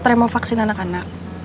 terima vaksin anak anak